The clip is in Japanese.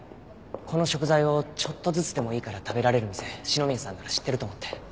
この食材をちょっとずつでもいいから食べられる店篠宮さんなら知ってると思って。